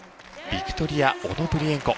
ビクトリア・オノブリエンコ。